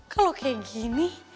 kalau kayak gini